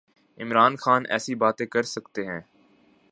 عمران خان ایسی باتیں کر سکتے ہیں۔